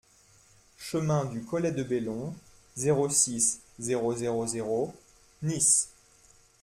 Chemin du Collet de Bellon, zéro six, zéro zéro zéro Nice